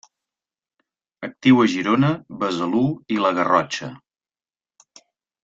Actiu a Girona, Besalú i la Garrotxa.